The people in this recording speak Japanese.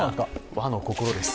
和の心です。